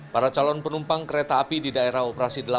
para calon penumpang kereta api di daerah operasi delapan